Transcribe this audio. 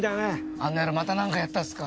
あの野郎また何かやったっすか？